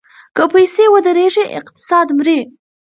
که پیسې ودریږي اقتصاد مري.